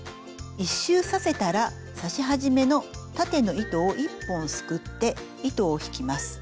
１周させたら刺し始めの縦の糸を１本すくって糸を引きます。